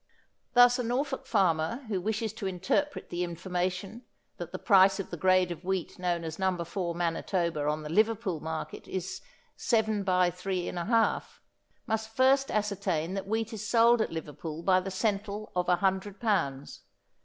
Thus a Norfolk farmer who wishes to interpret the information that the price of the grade of wheat known as No. 4 Manitoba on the Liverpool market is 7/3½, must first ascertain that wheat is sold at Liverpool by the cental of 100 pounds.